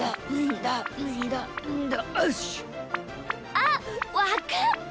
あわかった！